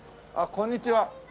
こんにちは！